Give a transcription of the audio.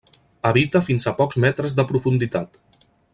Habita fins a pocs metres de profunditat.